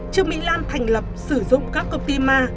trước mỹ lan thành lập sử dụng các cơm tim ma